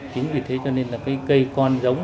chính vì thế cho nên là cái cây con giống